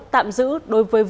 tạm giữ đối với vũ văn